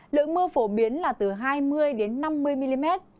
lượng mưa phổ biến là từ hai mươi năm mươi mm